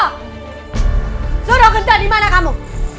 sorok genta dimana kamu